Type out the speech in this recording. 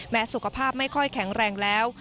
สุขภาพไม่ค่อยแข็งแรงแล้ว